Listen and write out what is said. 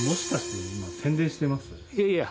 いやいや！